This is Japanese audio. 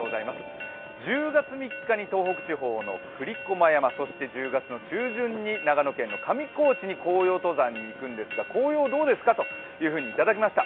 １０月３日に東北地方の栗駒山、そして１０月中旬に長野県の上高地に紅葉登山に行くんですが紅葉どうですかといただきました。